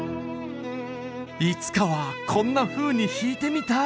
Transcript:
いつかはこんなふうに弾いてみたい！